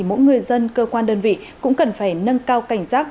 mỗi người dân cơ quan đơn vị cũng cần phải nâng cao cảnh giác